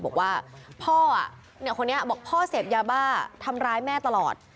บอกว่าพ่อคนนี้บอกพ่อเสพยาบ้าทำร้ายแม่ตลอด